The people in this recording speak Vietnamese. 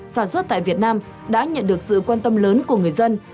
sản xuất tại việt nam đã nhận được sự quan tâm lớn của người dân